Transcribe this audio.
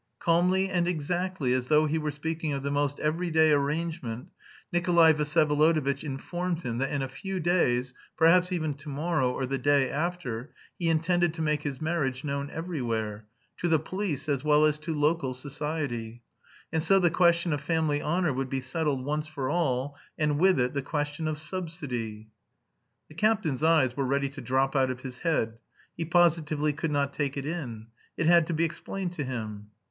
Calmly and exactly, as though he were speaking of the most everyday arrangement, Nikolay Vsyevolodovitch informed him that in a few days, perhaps even to morrow or the day after, he intended to make his marriage known everywhere, "to the police as well as to local society." And so the question of family honour would be settled once for all, and with it the question of subsidy. The captain's eyes were ready to drop out of his head; he positively could not take it in. It had to be explained to him.